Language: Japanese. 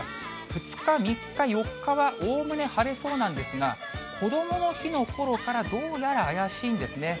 ２日、３日、４日はおおむね晴れそうなんですが、こどもの日のころから、どうやら怪しいんですね。